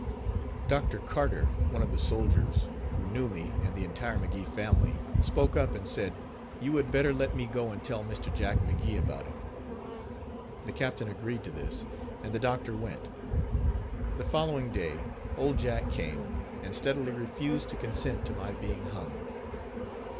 Dr. Carter, one of the soldiers, who knew me and the entire McGee family, spoke up and said: "You had better let me go and tell Mr. Jack McGee about him." The captain agreed to this, and the doctor went. The following day, Old Jack came, and steadily refused to consent to my being hung.